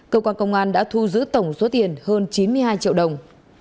cơ quan công an đã thu giữ tổng số tiền hơn chín mươi hai triệu đồng